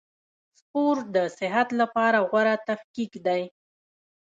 سپورټ د صحت له پاره غوره تفکیک دئ.